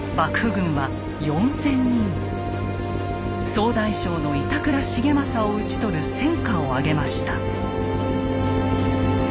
総大将の板倉重昌を討ち取る戦果を上げました。